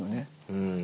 うん。